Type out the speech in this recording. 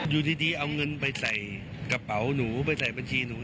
อยู่ดีเอาเงินไปใส่กระเป๋าหนูไปใส่บัญชีหนู